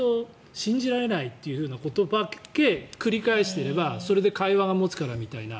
信じられない？ということだけ繰り返していればそれで会話が持つみたいな。